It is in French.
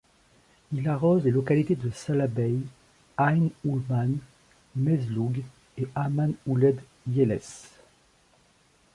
Il arrose les localités de Salah Bey, Aïn Oulmane, Mezloug et Hammam Ouled Yelles.